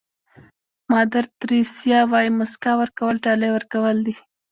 مادر تریسیا وایي موسکا ورکول ډالۍ ورکول دي.